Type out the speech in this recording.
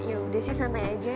yaudah sih santai aja ayo